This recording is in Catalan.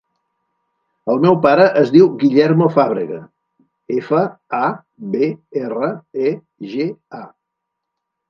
El meu pare es diu Guillermo Fabrega: efa, a, be, erra, e, ge, a.